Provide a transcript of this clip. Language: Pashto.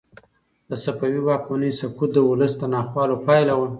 د صفوي واکمنۍ سقوط د ولس د ناخوالو پایله وه.